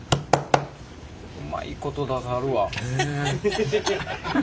うまいこと出さはるわ。